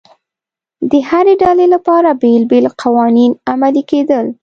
د هرې ډلې لپاره بېلابېل قوانین عملي کېدل